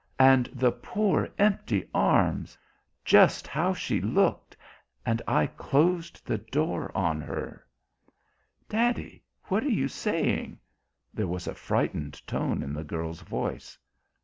And the poor empty arms. Just how she looked, and I closed the door on her." "Daddy, what are you saying?" There was a frightened tone in the girl's voice.